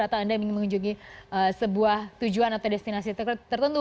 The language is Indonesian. atau anda ingin mengunjungi sebuah tujuan atau destinasi tertentu